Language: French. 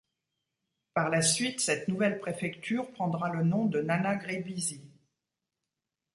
Par la suite cette nouvelle préfecture prendra le nom de Nana-Grébizi.